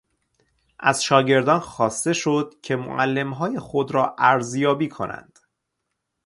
از شاگردان خواسته شد که معلمهای خود را ارزیابی کنند.